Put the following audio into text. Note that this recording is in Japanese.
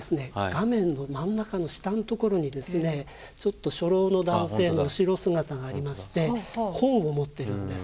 画面の真ん中の下のところにですねちょっと初老の男性の後ろ姿がありまして本を持ってるんです。